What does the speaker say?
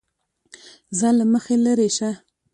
زه له مخې لېرې شه!